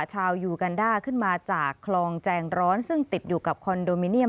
ยูกันด้าขึ้นมาจากคลองแจงร้อนซึ่งติดอยู่กับคอนโดมิเนียม